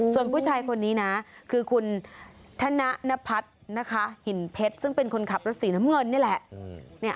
ส่วนผู้ชายคนนี้นะคือคุณธนพัฒน์นะคะหินเพชรซึ่งเป็นคนขับรถสีน้ำเงินนี่แหละ